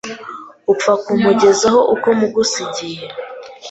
upfa kumungezaho uko mugusigiye